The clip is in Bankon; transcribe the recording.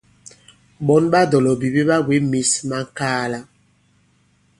Ɓɔ̌n ɓa dɔ̀lɔ̀bìbi ɓa bwě mǐs ma ŋ̀kaala.